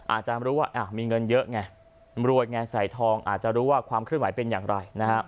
อาจจะรู้ว่ามีเงินเยอะไงรวยไงใส่ทองอาจจะรู้ว่าความเคลื่อนไหวเป็นอย่างไรนะฮะ